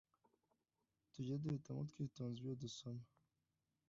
tuge duhitamo twitonze ibyo dusoma